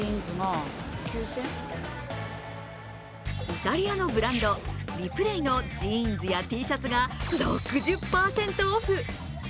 イタリアのブランド・リプレイのジーンズやＴシャツが６０％オフ。